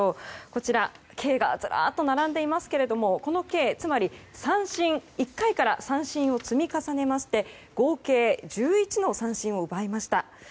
こちらＫがずらっと並んでいますがこのＫ、つまり１回から三振を積み重ねまして合計１１の三振を奪いました。